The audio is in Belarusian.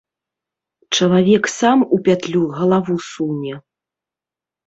Чалавек сам у пятлю галаву суне.